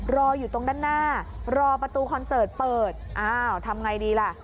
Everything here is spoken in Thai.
รออยู่ตรงด้านหน้ารอประตูคอนเสิร์ตเปิดอ้าวทำไงดีล่ะ